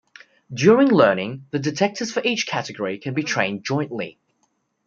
During learning, the detectors for each category can be trained jointly.